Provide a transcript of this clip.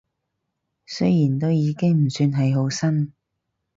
雖然都已經唔算係好新